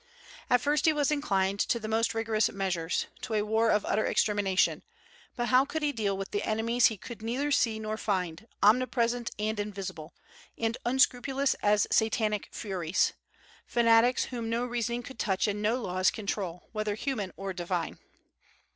At first he was inclined to the most rigorous measures, to a war of utter extermination; but how could he deal with enemies he could neither see nor find, omnipresent and invisible, and unscrupulous as satanic furies, fanatics whom no reasoning could touch and no laws control, whether human or divine?